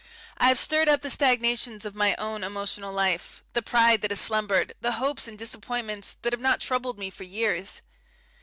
I have stirred up the stagnations of my own emotional life, the pride that has slumbered, the hopes and disappointments that have not troubled me for years.